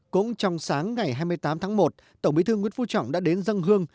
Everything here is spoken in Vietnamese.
cũng trong sáng ngày hai mươi tám tháng một tổng bí thư nguyễn phú trọng đã đến dân hương